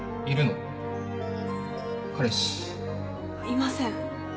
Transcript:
いません